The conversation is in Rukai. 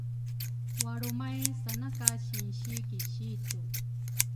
walrumay sana ka sinsi ki situ.